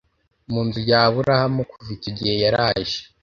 mu nzu ya burahamu Kuva icyo gihe yaraje